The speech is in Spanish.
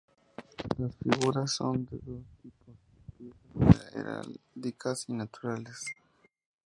Las figuras son de dos tipos, piezas heráldicas y naturales.